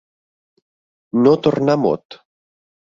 No tornar mot.